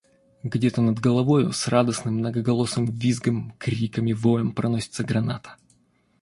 Где-то, над головою, с радостным, многоголосым визгом, криком и воем проносится граната.